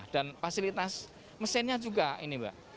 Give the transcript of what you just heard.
dan fasilitas mesinnya juga ini mbak